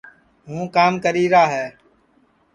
ہوں کام کریرا ہے